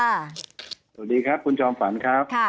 สวัสดีครับคุณจอมฝันครับ